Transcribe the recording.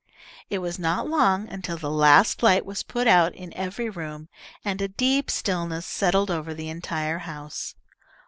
It was not long until the last light was put out in every room, and a deep stillness settled over the entire house.